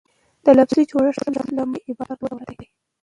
د لفظي جوړښت له مخه عبارت پر دوه ډوله ډﺉ.